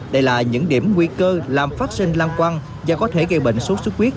đây là những điểm nguy cơ làm phát sinh lan quăng và có thể gây bệnh sốt sốt huyết